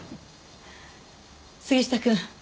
杉下くん